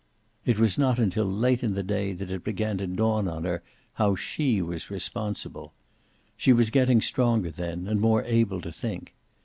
It was not until late in the day that it began to dawn on her how she was responsible. She was getting stronger then and more able to think.